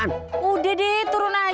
jangan terlalu banyak